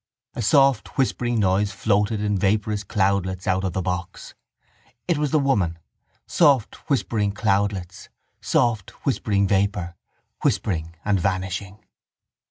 A soft whispering noise floated in vaporous cloudlets out of the box. It was the woman: soft whispering cloudlets, soft whispering vapour, whispering and vanishing.